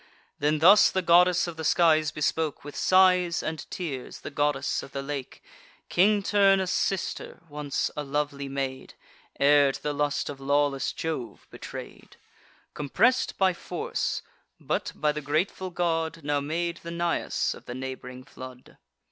Then thus the goddess of the skies bespoke, With sighs and tears, the goddess of the lake, King Turnus' sister, once a lovely maid, Ere to the lust of lawless Jove betray'd: Compress'd by force, but, by the grateful god, Now made the Nais of the neighb'ring flood.